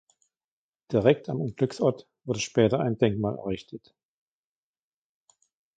Direkt am Unglücksort wurde später ein Denkmal errichtet.